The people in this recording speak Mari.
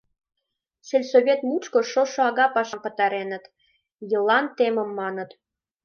Сельсовет мучко шошо ага пашам пытареныт, йлан темын, маныт.